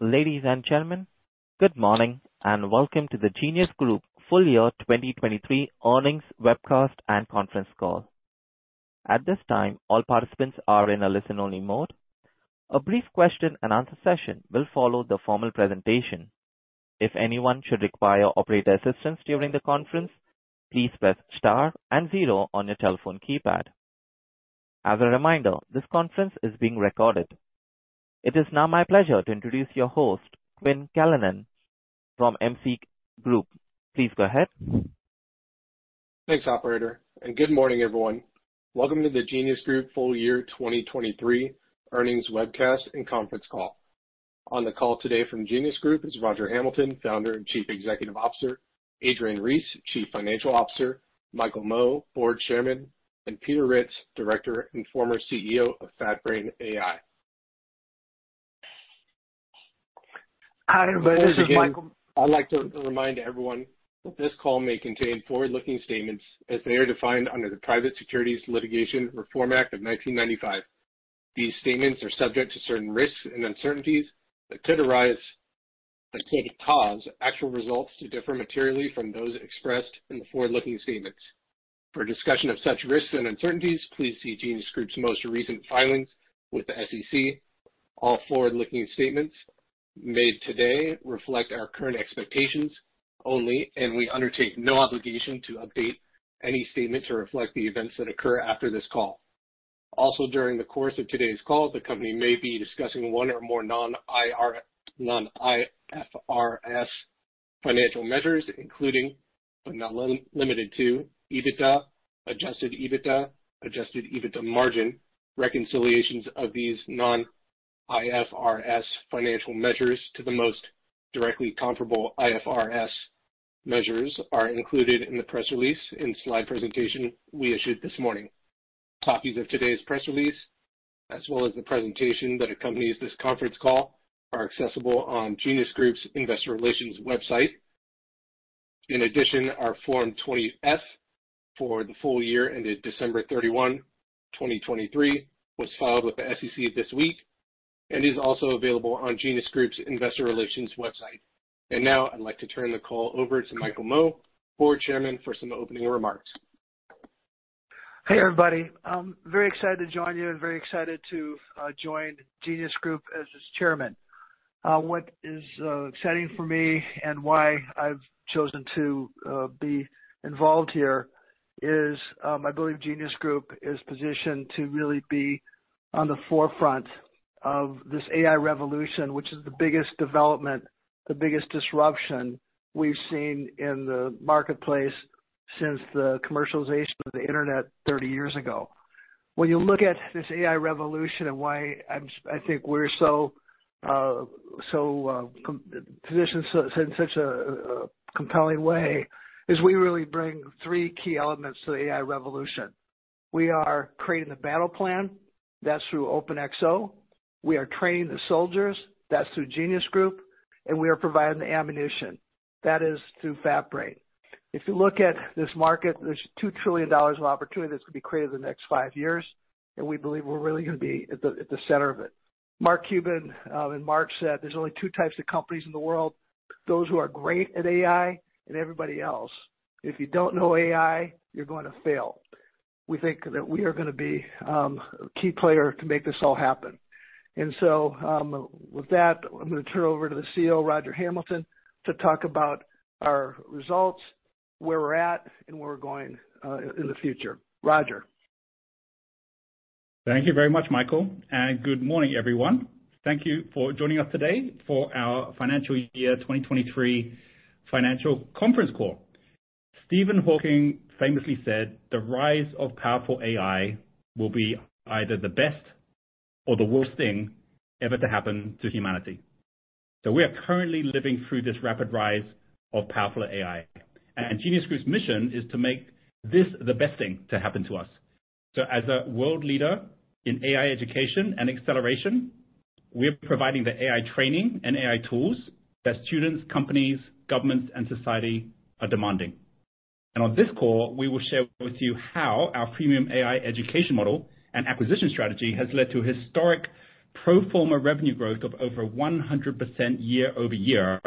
Ladies and gentlemen, good morning, and welcome to the Genius Group full year 2023 earnings webcast and conference call. At this time, all participants are in a listen-only mode. A brief question-and-answer session will follow the formal presentation. If anyone should require operator assistance during the conference, please press star and zero on your telephone keypad. As a reminder, this conference is being recorded. It is now my pleasure to introduce your host, Quinn Callanan, from MC Group. Please go ahead. Thanks, operator, and good morning, everyone. Welcome to the Genius Group full year 2023 earnings webcast and conference call. On the call today from Genius Group is Roger Hamilton, Founder and Chief Executive Officer, Adrian Reese, Chief Financial Officer, Michael Moe, Board Chairman, and Peter Ritz, Director and former CEO of FatBrain AI. Hi, everybody, this is Michael. I'd like to remind everyone that this call may contain forward-looking statements as they are defined under the Private Securities Litigation Reform Act of 1995. These statements are subject to certain risks and uncertainties that could arise, that could cause actual results to differ materially from those expressed in the forward-looking statements. For a discussion of such risks and uncertainties, please see Genius Group's most recent filings with the SEC. All forward-looking statements made today reflect our current expectations only, and we undertake no obligation to update any statement to reflect the events that occur after this call. Also, during the course of today's call, the company may be discussing one or more non-IFRS financial measures, including, but not limited to, EBITDA, adjusted EBITDA, adjusted EBITDA margin. Reconciliations of these non-IFRS financial measures to the most directly comparable IFRS measures are included in the press release and slide presentation we issued this morning. Copies of today's press release, as well as the presentation that accompanies this conference call, are accessible on Genius Group's Investor Relations website. In addition, our Form 20-F for the full year ended December 31, 2023, was filed with the SEC this week and is also available on Genius Group's investor relations website. Now I'd like to turn the call over to Michael Moe, Board Chairman, for some opening remarks. Hey, everybody. I'm very excited to join you and very excited to join Genius Group as its chairman. What is exciting for me and why I've chosen to be involved here is, I believe Genius Group is positioned to really be on the forefront of this AI revolution, which is the biggest development, the biggest disruption we've seen in the marketplace since the commercialization of the internet 30 years ago. When you look at this AI revolution and why I'm, I think we're so positioned in such a compelling way, is we really bring three key elements to the AI revolution. We are creating the battle plan, that's through OpenExO. We are training the soldiers, that's through Genius Group. And we are providing the ammunition, that is through FatBrain. If you look at this market, there's $2 trillion of opportunity that's going to be created in the next five years, and we believe we're really gonna be at the, at the center of it. Mark Cuban and Mark said: There's only two types of companies in the world, those who are great at AI and everybody else. If you don't know AI, you're going to fail. We think that we are gonna be a key player to make this all happen. And so, with that, I'm gonna turn it over to the CEO, Roger Hamilton, to talk about our results, where we're at, and where we're going, in the future. Roger? Thank you very much, Michael, and good morning, everyone. Thank you for joining us today for our financial year 2023 financial conference call. Stephen Hawking famously said: The rise of powerful AI will be either the best or the worst thing ever to happen to humanity. So we are currently living through this rapid rise of powerful AI, and Genius Group's mission is to make this the best thing to happen to us. So as a world leader in AI education and acceleration, we are providing the AI training and AI tools that students, companies, governments, and society are demanding. And on this call, we will share with you how our premium AI education model and acquisition strategy has led to historic pro forma revenue growth of over 100% year-over-year.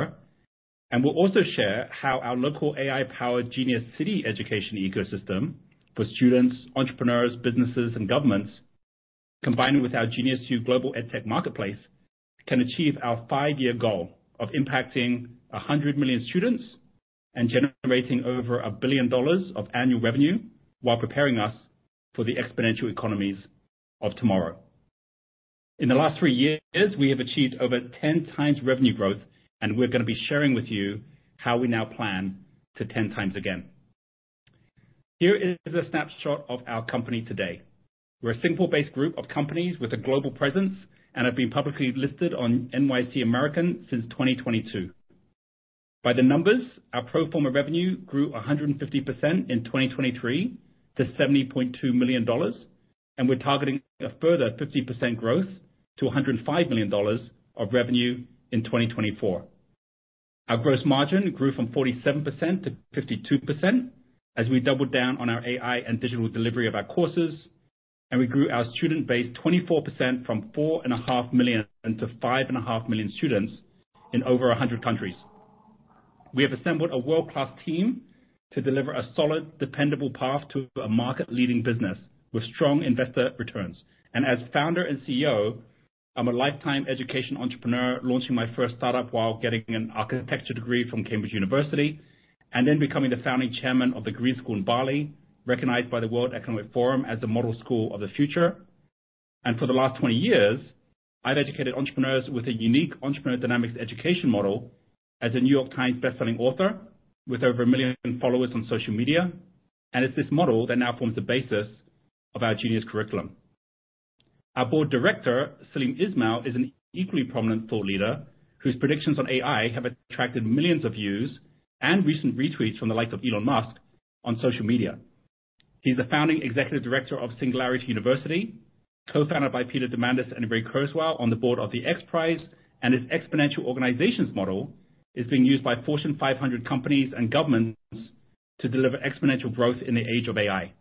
We'll also share how our local AI-powered Genius City education ecosystem for students, entrepreneurs, businesses, and governments, combining with our GeniusU global EdTech marketplace, can achieve our five-year goal of impacting 100 million students and generating over $1 billion of annual revenue while preparing us for the exponential economies of tomorrow. In the last three years, we have achieved over 10x revenue growth, and we're gonna be sharing with you how we now plan to 10x again. Here is a snapshot of our company today. We're a Singapore-based group of companies with a global presence and have been publicly listed on NYSE American since 2022. By the numbers, our pro forma revenue grew 150% in 2023 to $70.2 million, and we're targeting a further 50% growth to $105 million of revenue in 2024. Our gross margin grew from 47% to 52% as we doubled down on our AI and digital delivery of our courses, and we grew our student base 24% from 4.5 million-5.5 million students in over 100 countries. We have assembled a world-class team to deliver a solid, dependable path to a market-leading business with strong investor returns. As founder and CEO, I'm a lifetime education entrepreneur, launching my first startup while getting an architecture degree from Cambridge University, and then becoming the founding chairman of the Green School in Bali, recognized by the World Economic Forum as the Model School of the Future. For the last 20 years, I've educated entrepreneurs with a unique Entrepreneur Dynamics education model as a New York Times best-selling author with over 1 million followers on social media. It's this model that now forms the basis of our Genius Curriculum. Our Board Director, Salim Ismail, is an equally prominent thought leader, whose predictions on AI have attracted millions of views and recent retweets from the likes of Elon Musk on social media. He's the founding executive director of Singularity University, co-founded by Peter Diamandis and Ray Kurzweil, on the board of the XPRIZE, and his exponential organizations model is being used by Fortune 500 companies and governments to deliver exponential growth in the age of AI.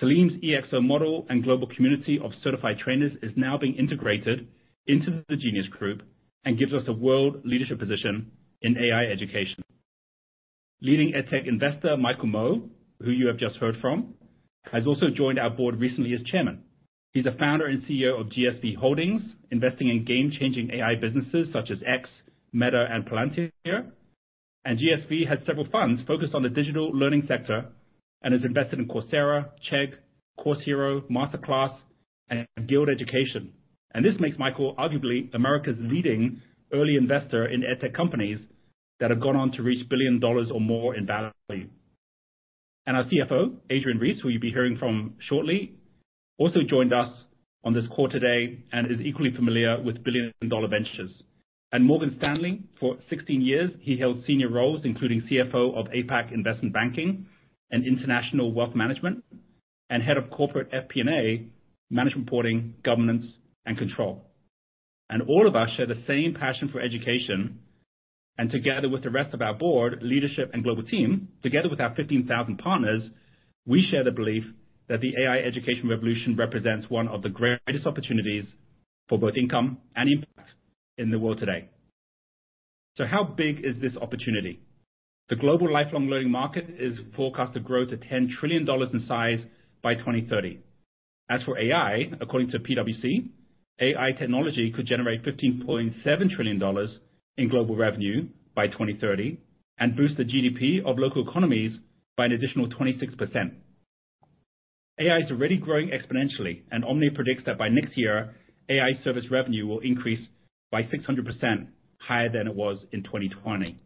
Salim's EXO model and global community of certified trainers is now being integrated into the Genius Group and gives us a world leadership position in AI education. Leading EdTech investor, Michael Moe, who you have just heard from, has also joined our board recently as chairman. He's the founder and CEO of GSV Holdings, investing in game-changing AI businesses such as X, Meta, and Palantir. GSV has several funds focused on the digital learning sector and has invested in Coursera, Chegg, Course Hero, Masterclass, and Guild Education. This makes Michael arguably America's leading early investor in EdTech companies that have gone on to reach $1 billion or more in value. Our CFO, Adrian Reese, who you'll be hearing from shortly, also joined us on this call today and is equally familiar with billion-dollar ventures. At Morgan Stanley for 16 years, he held senior roles, including CFO of APAC Investment Banking and International Wealth Management, and Head of Corporate FP&A, Management Reporting, Governance and Control. All of us share the same passion for education, and together with the rest of our board, leadership and global team, together with our 15,000 partners, we share the belief that the AI education revolution represents one of the greatest opportunities for both income and impact in the world today. So how big is this opportunity? The global lifelong learning market is forecasted to grow to $10 trillion in size by 2030. As for AI, according to PwC, AI technology could generate $15.7 trillion in global revenue by 2030, and boost the GDP of local economies by an additional 26%. AI is already growing exponentially, and Omni predicts that by next year, AI service revenue will increase by 600% higher than it was in 2020.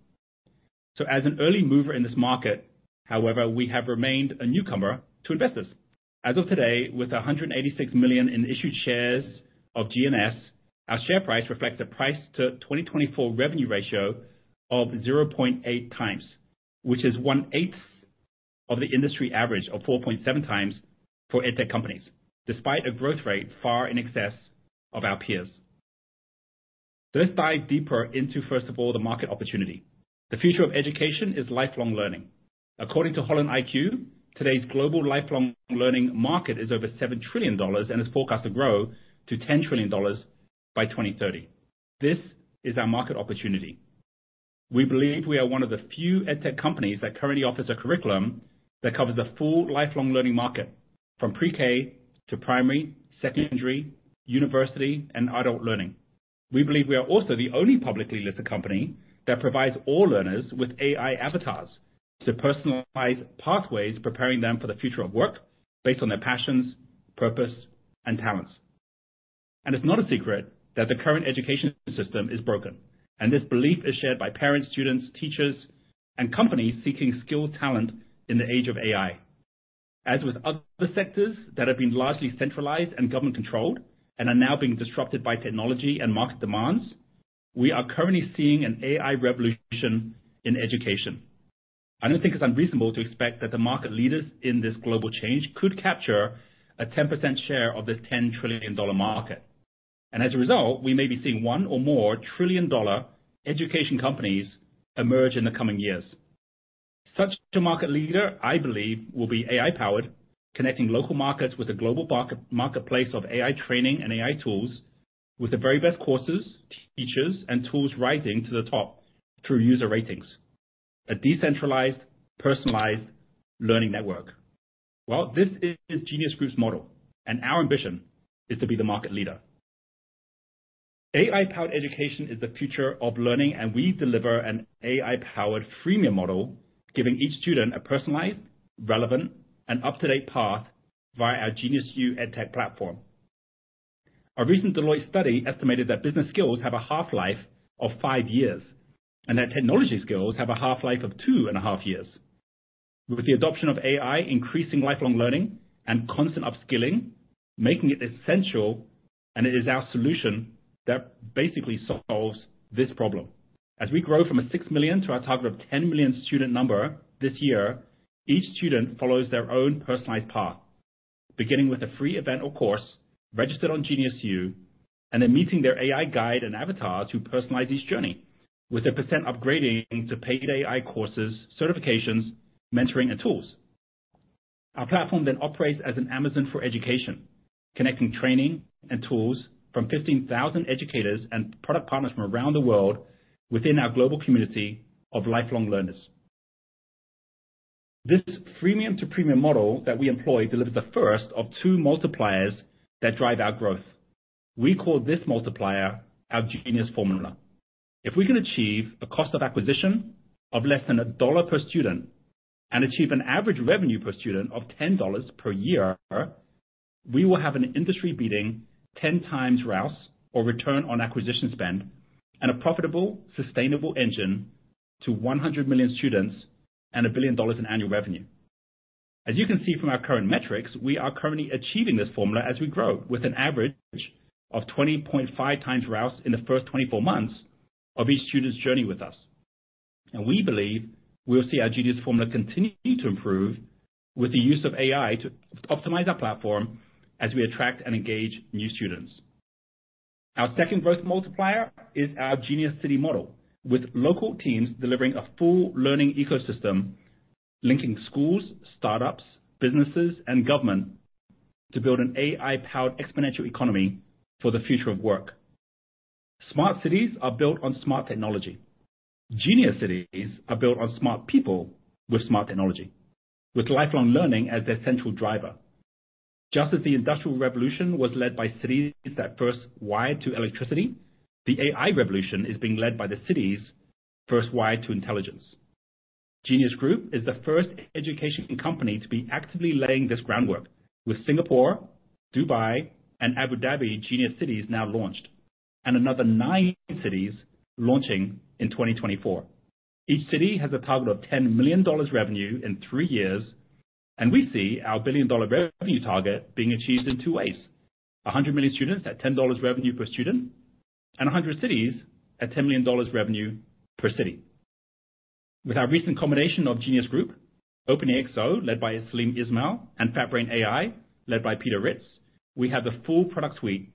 So as an early mover in this market, however, we have remained a newcomer to investors. As of today, with 186 million in issued shares of GNS, our share price reflects a price to 2024 revenue ratio of 0.8x, which is 1/8 of the industry average of 4.7x for EdTech companies, despite a growth rate far in excess of our peers. Let's dive deeper into, first of all, the market opportunity. The future of education is lifelong learning. According to HolonIQ, today's global lifelong learning market is over $7 trillion and is forecasted to grow to $10 trillion by 2030. This is our market opportunity. We believe we are one of the few EdTech companies that currently offers a curriculum that covers the full lifelong learning market, from pre-K to primary, secondary, university, and adult learning. We believe we are also the only publicly listed company that provides all learners with AI avatars to personalize pathways, preparing them for the future of work based on their passions, purpose, and talents. It's not a secret that the current education system is broken, and this belief is shared by parents, students, teachers, and companies seeking skilled talent in the age of AI. As with other sectors that have been largely centralized and government-controlled, and are now being disrupted by technology and market demands, we are currently seeing an AI revolution in education. I don't think it's unreasonable to expect that the market leaders in this global change could capture a 10% share of this $10 trillion market. As a result, we may be seeing one or more trillion-dollar education companies emerge in the coming years. Such a market leader, I believe, will be AI-powered, connecting local markets with a global marketplace of AI training and AI tools with the very best courses, teachers, and tools rising to the top through user ratings. A decentralized, personalized learning network. Well, this is Genius Group's model, and our ambition is to be the market leader. AI-powered education is the future of learning, and we deliver an AI-powered freemium model, giving each student a personalized, relevant, and up-to-date path via our Genius U EdTech platform. A recent Deloitte study estimated that business skills have a half-life of five years and that technology skills have a half-life of two and half years. With the adoption of AI, increasing lifelong learning and constant upskilling, making it essential, and it is our solution that basically solves this problem. As we grow from 6 million to our target of 10 million student number this year, each student follows their own personalized path, beginning with a free event or course, registered on GeniusU, and then meeting their AI guide and avatars who personalize each journey, with 1% upgrading to paid AI courses, certifications, mentoring, and tools. Our platform then operates as an Amazon for education, connecting training and tools from 15,000 educators and product partners from around the world within our global community of lifelong learners. This freemium to premium model that we employ delivers the first of two multipliers that drive our growth. We call this multiplier our Genius formula. If we can achieve a cost of acquisition of less than $1 per student and achieve an average revenue per student of $10 per year, we will have an industry-leading 10 times ROAS, or return on acquisition spend, and a profitable, sustainable engine to 100 million students and $1 billion in annual revenue. As you can see from our current metrics, we are currently achieving this formula as we grow, with an average of 20.5x ROAS in the first 24 months of each student's journey with us. We believe we'll see our Genius formula continue to improve with the use of AI to optimize our platform as we attract and engage new students. Our second growth multiplier is our Genius City model, with local teams delivering a full learning ecosystem, linking schools, startups, businesses, and government to build an AI-powered exponential economy for the future of work. Smart cities are built on smart technology. Genius Cities are built on smart people with smart technology, with lifelong learning as their central driver. Just as the Industrial Revolution was led by cities that first wired to electricity, the AI revolution is being led by the cities first wired to intelligence. Genius Group is the first education company to be actively laying this groundwork with Singapore, Dubai, and Abu Dhabi Genius Cities now launched, and another nine cities launching in 2024. Each city has a target of $10 million revenue in three years, and we see our billion-dollar revenue target being achieved in two ways: 100 million students at $10 revenue per student, and 100 cities at $10 million revenue per city. With our recent combination of Genius Group, OpenExO, led by Salim Ismail, and FatBrain AI, led by Peter Ritz, we have the full product suite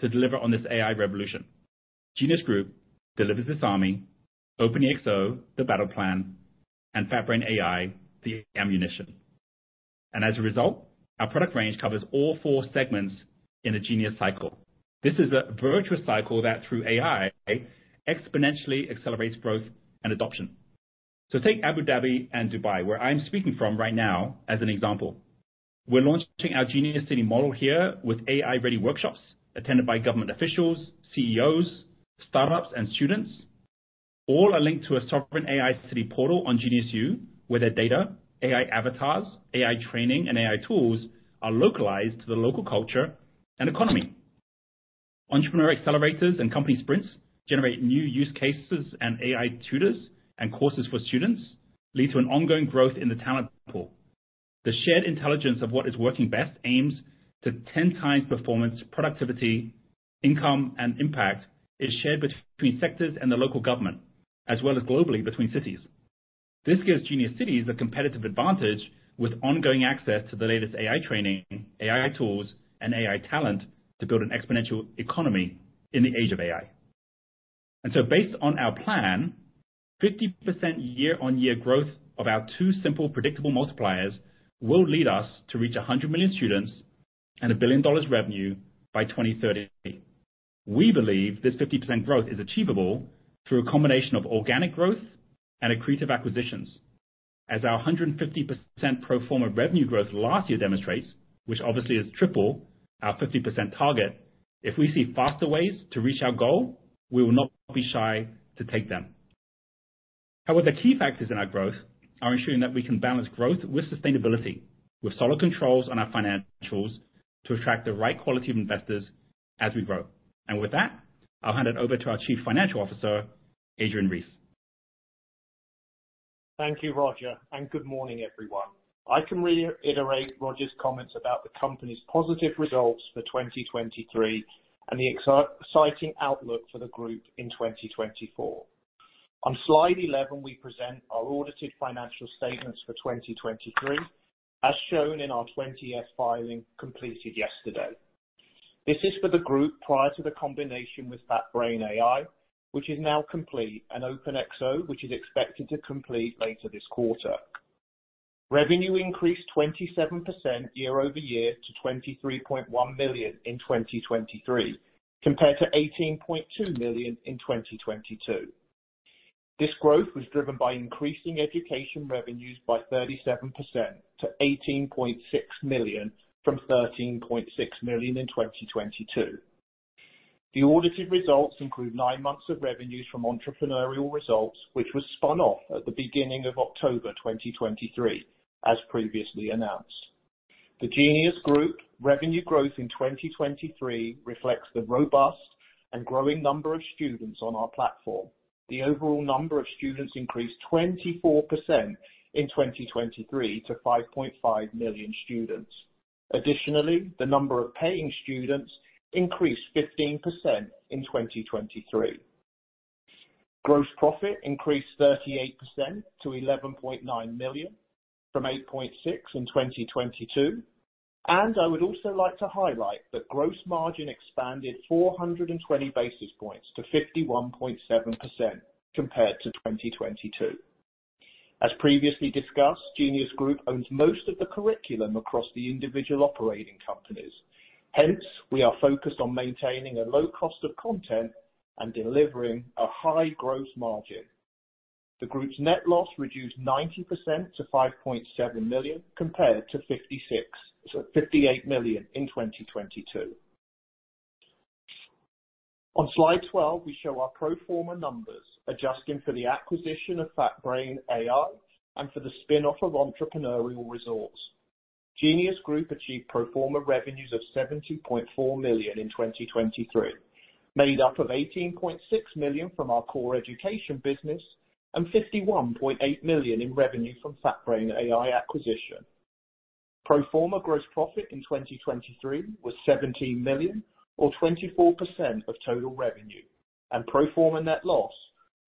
to deliver on this AI revolution. Genius Group delivers this army, OpenExO, the battle plan, and FatBrain AI, the ammunition. And as a result, our product range covers all four segments in a Genius cycle. This is a virtuous cycle that, through AI, exponentially accelerates growth and adoption. So take Abu Dhabi and Dubai, where I'm speaking from right now, as an example. We're launching our Genius City model here with AI-ready workshops attended by government officials, CEOs, startups, and students. All are linked to a Sovereign AI city portal on GeniusU, where their data, AI avatars, AI training, and AI tools are localized to the local culture and economy. Entrepreneur accelerators and company sprints generate new use cases, and AI tutors and courses for students lead to an ongoing growth in the talent pool. The shared intelligence of what is working best aims to 10x performance, productivity, income, and impact is shared between sectors and the local government, as well as globally between cities. This gives Genius Cities a competitive advantage, with ongoing access to the latest AI training, AI tools and AI talent to build an exponential economy in the age of AI. Based on our plan, 50% year-on-year growth of our two simple, predictable multipliers will lead us to reach 100 million students and $1 billion revenue by 2030. We believe this 50% growth is achievable through a combination of organic growth and accretive acquisitions. As our 150% pro forma revenue growth last year demonstrates, which obviously is triple our 50% target, if we see faster ways to reach our goal, we will not be shy to take them. However, the key factors in our growth are ensuring that we can balance growth with sustainability, with solid controls on our financials to attract the right quality of investors as we grow. With that, I'll hand it over to our Chief Financial Officer, Adrian Reese. Thank you, Roger, and good morning, everyone. I can reiterate Roger's comments about the company's positive results for 2023 and the exciting outlook for the group in 2024. On slide 11, we present our audited financial statements for 2023, as shown in our 20-F filing completed yesterday. This is for the group prior to the combination with FatBrain AI, which is now complete, and OpenExO, which is expected to complete later this quarter. Revenue increased 27% year-over-year to $23.1 million in 2023, compared to $18.2 million in 2022. This growth was driven by increasing education revenues by 37% to $18.6 million from $13.6 million in 2022. The audited results include nine months of revenues from Entrepreneur Resorts, which were spun off at the beginning of October 2023, as previously announced. The Genius Group revenue growth in 2023 reflects the robust and growing number of students on our platform. The overall number of students increased 24% in 2023 to 5.5 million students. Additionally, the number of paying students increased 15% in 2023. Gross profit increased 38% to $11.9 million, from $8.6 million in 2022, and I would also like to highlight that gross margin expanded 420 basis points to 51.7% compared to 2022. As previously discussed, Genius Group owns most of the curriculum across the individual operating companies, hence, we are focused on maintaining a low cost of content and delivering a high gross margin. The group's net loss reduced 90% to $5.7 million, compared to $58 million in 2022. On slide 12, we show our pro forma numbers, adjusting for the acquisition of FatBrain AI and for the spin-off of Entrepreneurial Resource. Genius Group achieved pro forma revenues of $70.4 million in 2023, made up of $18.6 million from our core education business and $51.8 million in revenue from FatBrain AI acquisition. Pro forma gross profit in 2023 was $17 million or 24% of total revenue, and pro forma net loss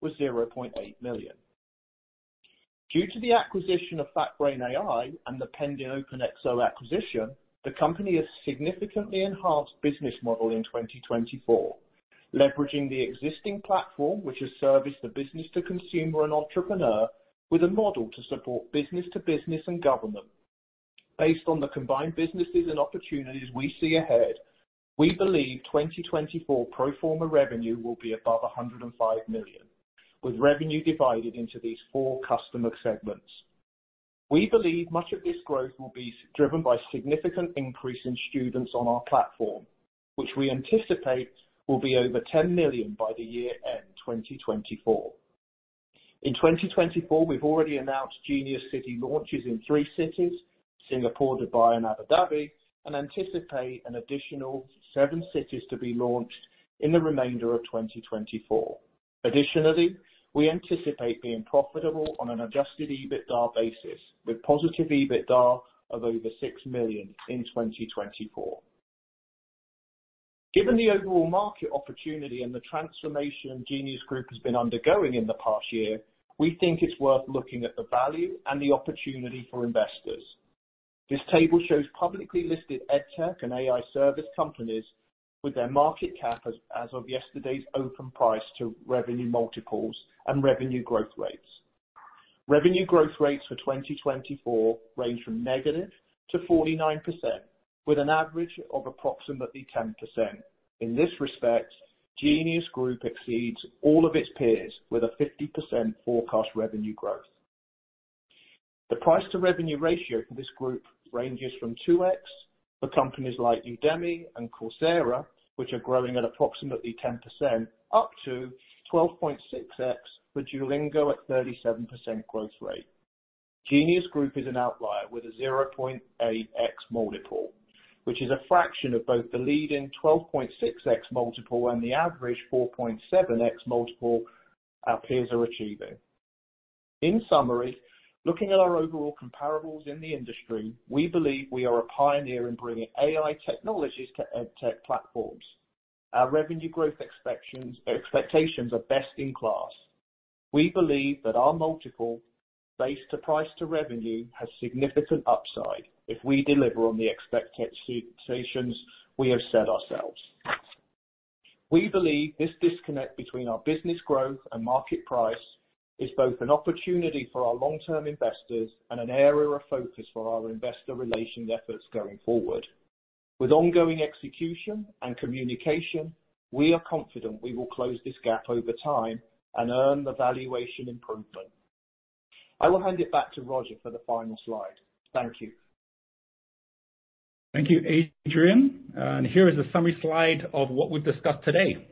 was $0.8 million. Due to the acquisition of FatBrain AI and the pending OpenExO acquisition, the company has significantly enhanced business model in 2024, leveraging the existing platform, which has serviced the business to consumer and entrepreneur with a model to support business to business and government. Based on the combined businesses and opportunities we see ahead, we believe 2024 pro forma revenue will be above $105 million, with revenue divided into these four customer segments. We believe much of this growth will be driven by significant increase in students on our platform, which we anticipate will be over 10 million by the year-end, 2024. In 2024, we've already announced Genius City launches in three cities, Singapore, Dubai and Abu Dhabi, and anticipate an additional 7 cities to be launched in the remainder of 2024. Additionally, we anticipate being profitable on an adjusted EBITDA basis, with positive EBITDA of over $6 million in 2024. Given the overall market opportunity and the transformation Genius Group has been undergoing in the past year, we think it's worth looking at the value and the opportunity for investors. This table shows publicly listed EdTech and AI service companies with their market cap as of yesterday's open price to revenue multiples and revenue growth rates. Revenue growth rates for 2024 range from negative to 49%, with an average of approximately 10%. In this respect, Genius Group exceeds all of its peers with a 50% forecast revenue growth. The price to revenue ratio for this group ranges from 2x for companies like Udemy and Coursera, which are growing at approximately 10%, up to 12.6x for Duolingo at 37% growth rate. Genius Group is an outlier with a 0.8x multiple, which is a fraction of both the leading 12.6x multiple and the average 4.7x multiple our peers are achieving. In summary, looking at our overall comparables in the industry, we believe we are a pioneer in bringing AI technologies to EdTech platforms. Our revenue growth expectations are best in class. We believe that our multiple based on price to revenue has significant upside if we deliver on the expectations we have set ourselves. We believe this disconnect between our business growth and market price is both an opportunity for our long-term investors and an area of focus for our investor relations efforts going forward. With ongoing execution and communication, we are confident we will close this gap over time and earn the valuation improvement. I will hand it back to Roger for the final slide. Thank you. Thank you, Adrian. Here is a summary slide of what we've discussed today.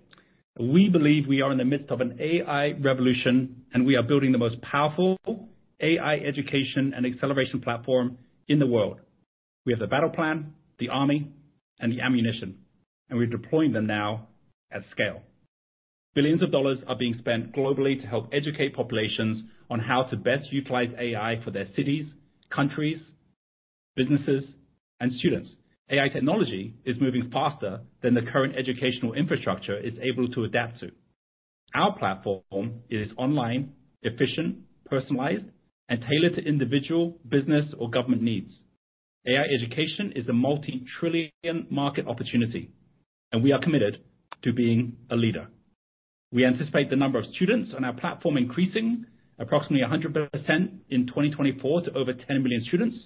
We believe we are in the midst of an AI revolution, and we are building the most powerful AI education and acceleration platform in the world. We have the battle plan, the army, and the ammunition, and we're deploying them now at scale. Billions of dollars are being spent globally to help educate populations on how to best utilize AI for their cities, countries, businesses, and students. AI technology is moving faster than the current educational infrastructure is able to adapt to. Our platform is online, efficient, personalized, and tailored to individual business or government needs. AI education is a multi-trillion market opportunity, and we are committed to being a leader. We anticipate the number of students on our platform increasing approximately 100% in 2024 to over 10 million students,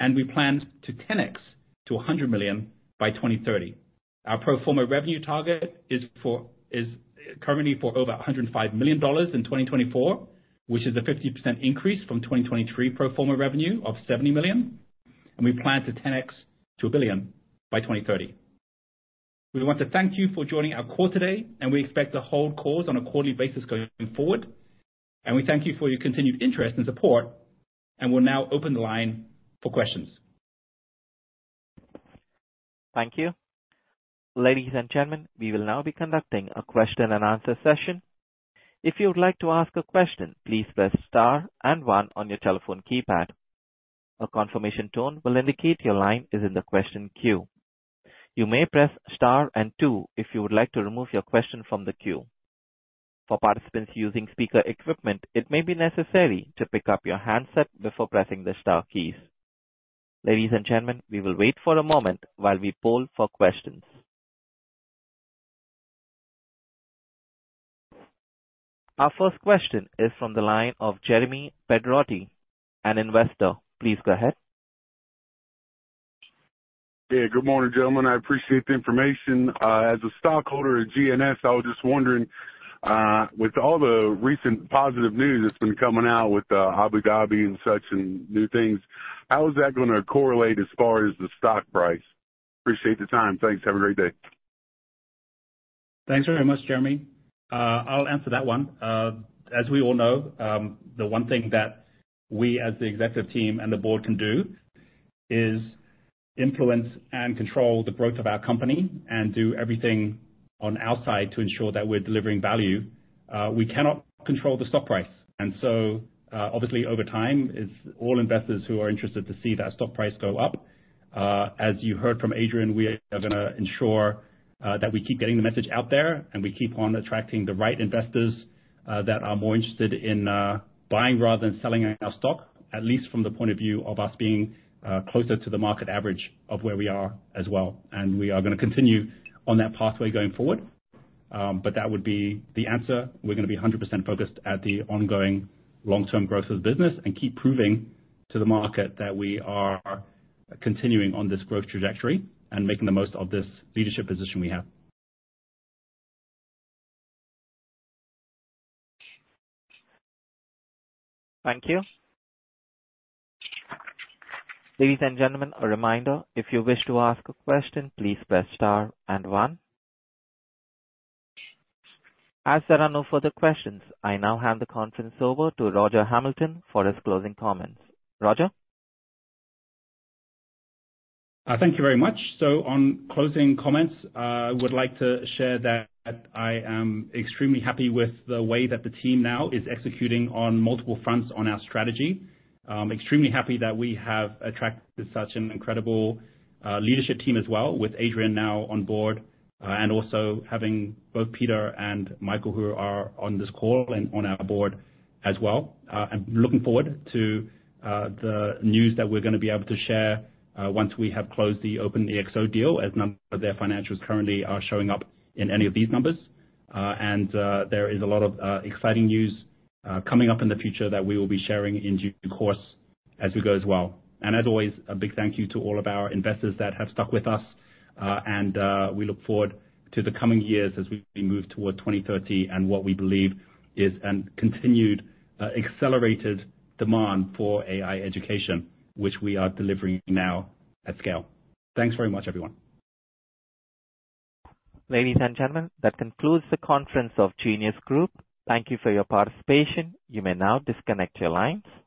and we plan to 10x to 100 million by 2030. Our pro forma revenue target is currently for over $105 million in 2024, which is a 50% increase from 2023 pro forma revenue of $70 million, and we plan to 10x to $1 billion by 2030. We want to thank you for joining our call today, and we expect to hold calls on a quarterly basis going forward. We thank you for your continued interest and support, and we'll now open the line for questions. Thank you. Ladies and gentlemen, we will now be conducting a question-and-answer session. If you would like to ask a question, please press star and one on your telephone keypad. A confirmation tone will indicate your line is in the question queue.... You may press star and two if you would like to remove your question from the queue. For participants using speaker equipment, it may be necessary to pick up your handset before pressing the star keys. Ladies and gentlemen, we will wait for a moment while we poll for questions. Our first question is from the line of Jeremy Pedrotti, an investor. Please go ahead. Yeah. Good morning, gentlemen. I appreciate the information. As a stockholder of GNS, I was just wondering, with all the recent positive news that's been coming out with, Abu Dhabi and such and new things, how is that gonna correlate as far as the stock price? Appreciate the time. Thanks. Have a great day. Thanks very much, Jeremy. I'll answer that one. As we all know, the one thing that we as the executive team and the board can do is influence and control the growth of our company and do everything on our side to ensure that we're delivering value. We cannot control the stock price, and so, obviously, over time, it's all investors who are interested to see that stock price go up. As you heard from Adrian, we are gonna ensure that we keep getting the message out there, and we keep on attracting the right investors that are more interested in buying rather than selling our stock, at least from the point of view of us being closer to the market average of where we are as well. We are gonna continue on that pathway going forward. But that would be the answer. We're gonna be 100% focused at the ongoing long-term growth of the business and keep proving to the market that we are continuing on this growth trajectory and making the most of this leadership position we have. Thank you. Ladies and gentlemen, a reminder, if you wish to ask a question, please press star and one. As there are no further questions, I now hand the conference over to Roger Hamilton for his closing comments. Roger? Thank you very much. So on closing comments, I would like to share that I am extremely happy with the way that the team now is executing on multiple fronts on our strategy. Extremely happy that we have attracted such an incredible leadership team as well, with Adrian now on board, and also having both Peter and Michael, who are on this call and on our board as well. I'm looking forward to the news that we're gonna be able to share once we have closed the OpenExO deal, as none of their financials currently are showing up in any of these numbers. And there is a lot of exciting news coming up in the future that we will be sharing in due course as we go as well. As always, a big thank you to all of our investors that have stuck with us, and we look forward to the coming years as we move toward 2030 and what we believe is a continued accelerated demand for AI education, which we are delivering now at scale. Thanks very much, everyone. Ladies and gentlemen, that concludes the conference of Genius Group. Thank you for your participation. You may now disconnect your lines.